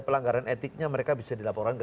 pelanggaran etiknya mereka bisa dilaporkan ke